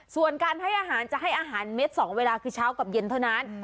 ส่วนการให้อาหารจะให้อาหารเม็ด๒เวลาคือเช้ากับเย็นเท่านั้น